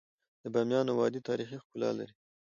د بامیان وادی تاریخي ښکلا لري.